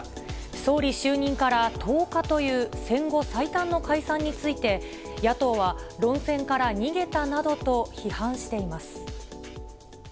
総理就任から１０日という戦後最短の解散について、野党は論戦から逃げたなどと批判しています。